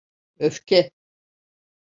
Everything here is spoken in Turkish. Öfke…